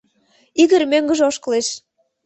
Игорь мӧҥгыжӧ ошкылеш.